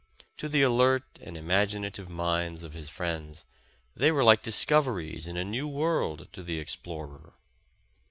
To the alert and imaginative minds of his friends, they were like discoveries in a new world to the explorer.